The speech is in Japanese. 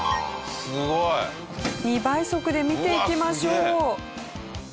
すごい！２倍速で見ていきましょう。